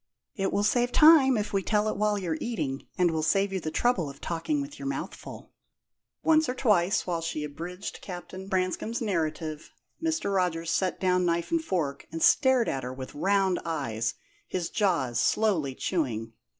"It will save time if we tell it while you're eating, and will save you the trouble of talking with your mouth full." Once or twice, while she abridged Captain Branscome's narrative, Mr. Rogers set down knife and fork, and stared at her with round eyes, his jaws slowly chewing.